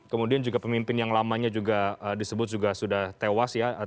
kemudian juga pemimpin yang lamanya juga disebut juga sudah tewas ya